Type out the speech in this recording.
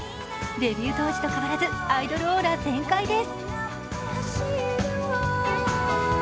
デビュー当時と変わらず、アイドルオーラ全開です。